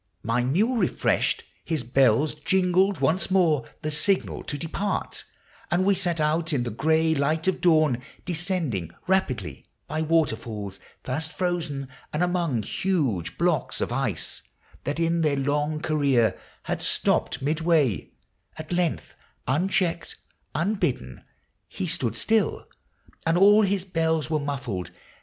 My mule refreshed, his bells Jingled once more, the signal to depart, And we set out in the gray light of dawn, Descending rapidly, — by waterfalls Fast frozen, and among huge blocks of ice That in their long career had stopt midway; At length, unchecked, unbidden, he stood still, And all his bells were muffled.